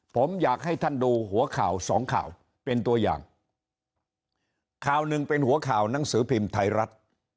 ผมอยากให้ท่านดูหัวข่าวสองข่าวเป็นตัวอย่างข่าวหนึ่งเป็นหัวข่าวหนังสือพิมพ์ไทยรัฐ